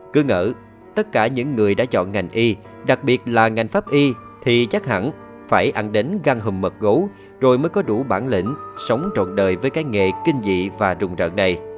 cứ ngỡ tất cả những người đã chọn ngành y đặc biệt là ngành pháp y thì chắc hẳn phải ăn đến găng hùm mật gấu rồi mới có đủ bản lĩnh sống trọn đời với cái nghề kinh dị và rùng rợn này